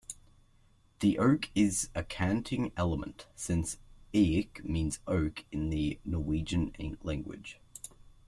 The oak is a canting element, since "Eik" means oak in the Norwegian language.